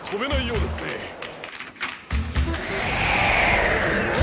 うわ！